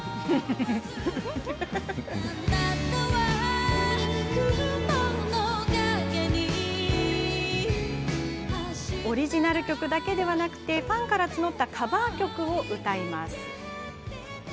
「あなたは雲の影に」オリジナル曲だけではなくファンから募ったカバー曲を歌います。